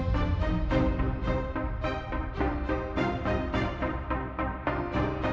tadi gue ninggalin lu karena batu batak